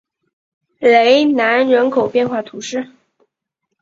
雷南人口变化图示